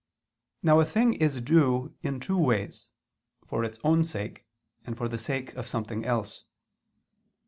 Now a thing is due in two ways, for its own sake, and for the sake of something else.